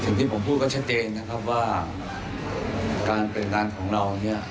สิ่งที่ผมพูดก็ชัดเจนนะครับว่าการเป็นงานของเราเนี่ย